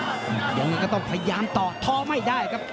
ยังไงก็ต้องพยายามต่อท้อไม่ได้ครับ